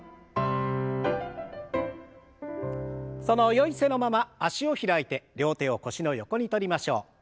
そのよい姿勢のまま脚を開いて両手を腰の横にとりましょう。